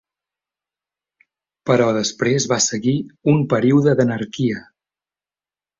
Però després va seguir un període d'anarquia.